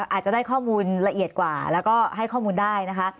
อาจจะได้ข้อมูลละเอียดกว่าแล้วก็ให้ข้อมูลได้นะคะ